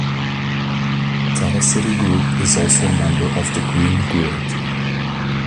TelecityGroup is also a member of The Green Grid.